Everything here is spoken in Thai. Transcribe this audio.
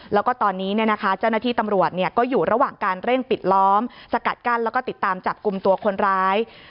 แล้วก็ตอนนี้เจ้าหน้าที่ตำรวจก็อยู่ระหว่างการเร่งปิดล้อมสกัดกั้นแล้วก็ติดตามจับกลุ่มตัวคนร้าย